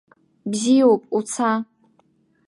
Бзиоуп, уца.